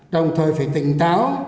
đồng thời phải tỉnh táo